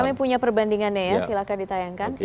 kami punya perbandingannya ya silahkan ditayangkan